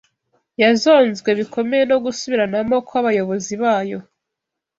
yazonzwe bikomeye no gusubiranamo kw’abayobozi bayo